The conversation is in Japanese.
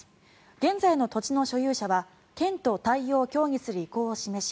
現在の土地の所有者は県と対応を協議する意向を示し